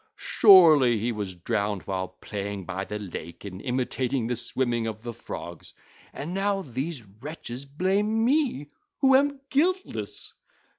Surely he was drowned while playing by the lake and imitating the swimming of the Frogs, and now these wretches blame me who am guiltless.